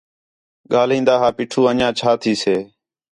ڳاہلین٘دا ہا پیٹھو انڄیاں چھا تھیسے